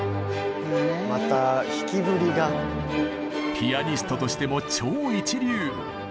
ピアニストとしても超一流。